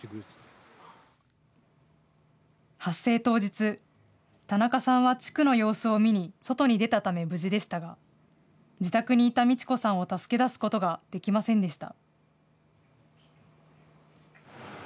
発生当日、田中さんは地区の様子を見に外に出たため無事でしたが、自宅にいた路子さんを助け出すことができませんでした。